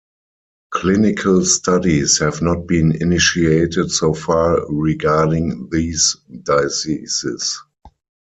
Clinical studies have not been initiated so far regarding these diseases.